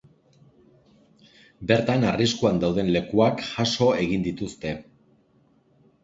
Bertan arriskuan dauden lekuak jaso egin dituzte.